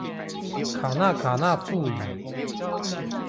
卡那卡那富語